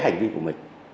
về hành vi của mình